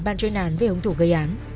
ban chơi nàn về ông thủ gây án